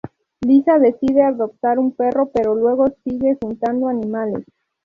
Lisa decide adoptar un perro, pero luego sigue juntando animales.